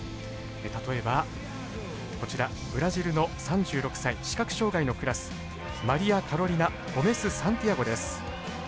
例えばこちらブラジルの３６歳視覚障がいのクラスマリアカロリナ・ゴメスサンティアゴです。